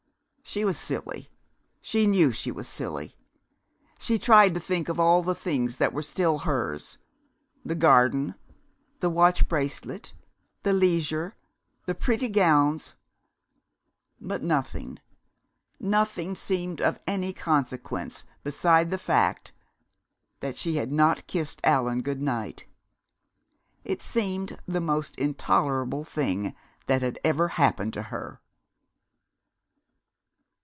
She was silly she knew she was silly. She tried to think of all the things that were still hers, the garden, the watch bracelet, the leisure, the pretty gowns but nothing, nothing seemed of any consequence beside the fact that she had not kissed Allan good night! It seemed the most intolerable thing that had ever happened to her.